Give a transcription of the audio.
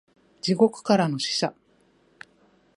地獄からの使者